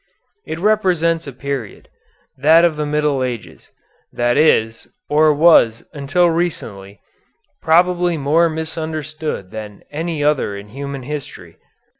It represents a period that of the Middle Ages that is, or was until recently, probably more misunderstood than any other in human history.